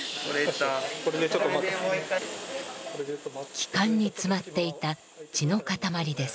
気管に詰まっていた血の塊です。